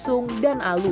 bersung dan alu